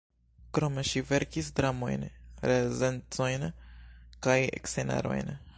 Krome ŝi verkis dramojn, recenzojn kaj scenarojn.